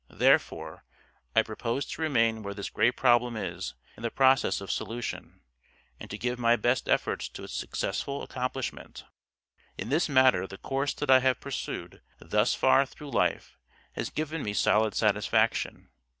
Therefore, I propose to remain where this great problem is in the process of solution; and to give my best efforts to its successful accomplishment. In this matter the course that I have pursued thus far through life has given me solid satisfaction.